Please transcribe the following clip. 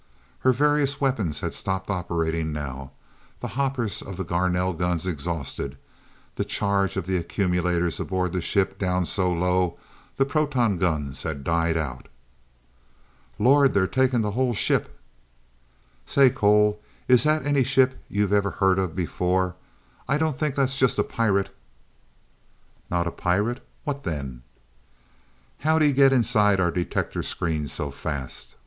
Her various weapons had stopped operating now, the hoppers of the Garnell guns exhausted, the charge of the accumulators aboard the ship down so low the proton guns had died out. "Lord they're taking the whole ship!" "Say Cole, is that any ship you ever heard of before? I don't think that's just a pirate!" "Not a pirate what then?" "How'd he get inside our detector screens so fast?